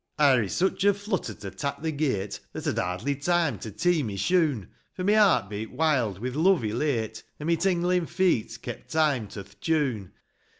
I're i' sich a flutter to tak the gate That I'd hardly time to tee my shoon ; For my heart beat wild, with love elate, An' my tinglin' feet kept time to th' tune.